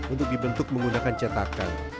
untuk dibentuk menggunakan cetakan